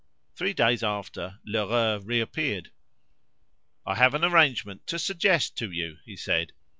Three days after Lheureux reappeared. "I have an arrangement to suggest to you," he said.